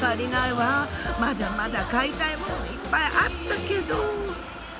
まだまだ買いたいものがいっぱいあったけど。